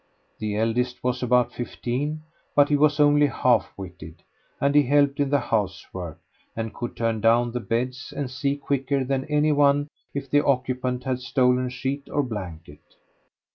The eldest was about fifteen, but he was only half witted; and he helped in the housework, and could turn down the beds and see quicker than any one if the occupant had stolen sheet or blanket.